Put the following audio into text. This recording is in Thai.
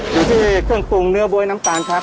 อยู่ที่เครื่องปรุงเนื้อบ๊วยน้ำตาลครับ